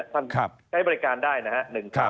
ท่านใช้บริการได้นะฮะ๑๓๓๐